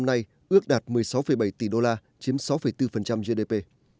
năm nay ước đạt một mươi sáu bảy tỷ đô la chiếm sáu bốn gdp